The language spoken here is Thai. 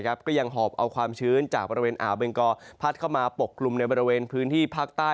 ก็ยังหอบเอาความชื้นจากบริเวณอ่าวเบงกอพัดเข้ามาปกกลุ่มในบริเวณพื้นที่ภาคใต้